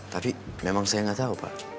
tapi memang saya tidak tahu pak